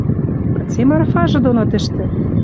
Кыце Марфажы доно тӹштӹ?» —